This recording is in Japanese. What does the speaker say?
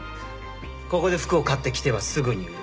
ここで服を買って着てはすぐに売る。